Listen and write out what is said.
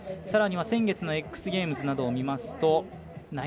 さらには先月のＸゲームズなどを見ますと１８６０。